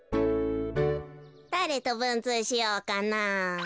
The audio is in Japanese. だれとぶんつうしようかなあ。